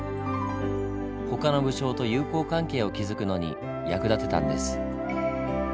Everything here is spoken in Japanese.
他の武将と友好関係を築くのに役立てたんです。